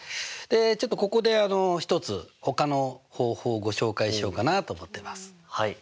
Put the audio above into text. ちょっとここで一つほかの方法をご紹介しようかなと思ってます。